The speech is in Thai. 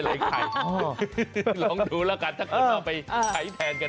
มันอิ่มมันคือคุณชนะเอ้าเหรอไข่กินเหรอ